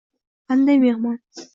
– Qanday mehmon?